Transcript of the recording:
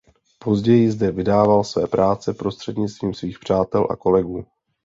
Později zde vydával své práce prostřednictvím svých přátel a kolegů.